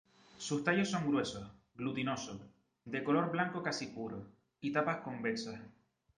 Sus tallos son gruesos, glutinoso, de color blanco casi puro y tapas convexas.